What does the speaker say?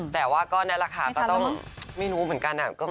แต่ว่าก็น่ารักฐานต้องไม่รู้เหมือนกันน่ะ